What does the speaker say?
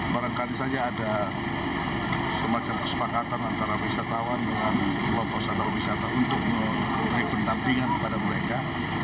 barangkali saja ada semacam kesepakatan antara wisatawan dengan kelompok sadar wisata untuk memberi pendampingan kepada mereka